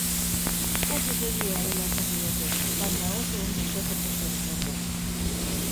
Oso serioa dela esan didate, baina oso ondo interpretatzen omen du.